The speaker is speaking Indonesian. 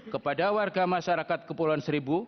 kepada warga masyarakat keperluan